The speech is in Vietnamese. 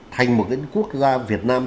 thành một quốc gia việt nam